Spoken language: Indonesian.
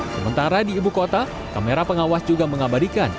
sementara di ibu kota kamera pengawas juga mengabadikan